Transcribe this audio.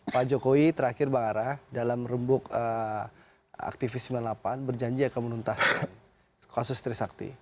pak jokowi terakhir bang ara dalam rembuk aktivis sembilan puluh delapan berjanji akan menuntaskan kasus trisakti